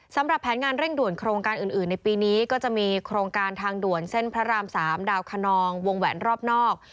สำหรับแผนงานเร่งด่วนโครงการอื่นในปีนี้ก็จะมีโครงการทางด่วนเส้นพระราม๓ดาวคนนองวงแหวนรอบนอก